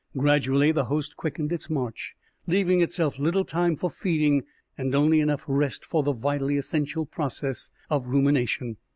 Gradually the host quickened its march, leaving itself little time for feeding and only enough rest for the vitally essential process of rumination.